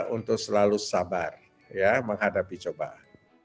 untuk selalu sabar menghadapi cobaan